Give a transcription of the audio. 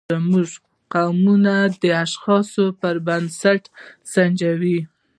موږ قومونه د اشخاصو پر بنسټ سنجوو.